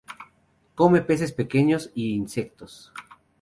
Come peces pequeños y insectos.